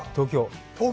東京。